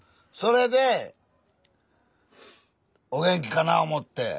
それでお元気かなあ思って。